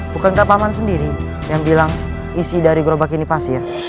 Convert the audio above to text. bukankah paman sendiri yang bilang isi dari gerobak ini pasir